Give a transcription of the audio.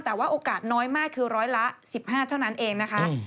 แต่ว่าโอกาสน้อยมากคือร้อยละ๑๕เท่านั้นเองนะคะ